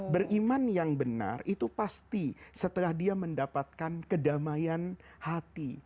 beriman yang benar itu pasti setelah dia mendapatkan kedamaian hati